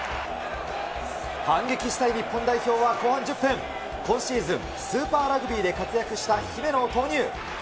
反撃したい日本代表は、後半１０分、今シーズン、スーパーラグビーで活躍した姫野を投入。